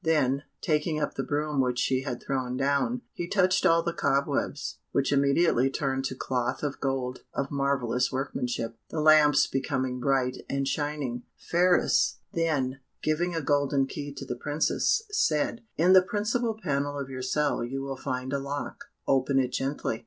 Then, taking up the broom which she had thrown down, he touched all the cobwebs, which immediately turned to cloth of gold of marvellous workmanship, the lamps becoming bright and shining; Phratis then, giving a golden key to the Princess, said, "In the principal panel of your cell you will find a lock; open it gently.